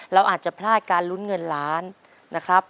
เราอาจจะพลาดการลุ้นเงินล้านนะครับ